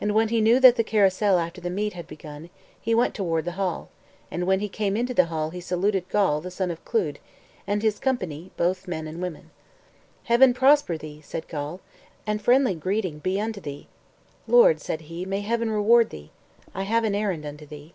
And when he knew that the carousal after the meat had begun, he went toward the hall; and when he came into the hall he saluted Gawl, the son of Clud, and his company, both men and women. "Heaven prosper thee," said Gawl, "and friendly greeting be unto thee!" "Lord," said he, "may Heaven reward thee! I have an errand unto thee."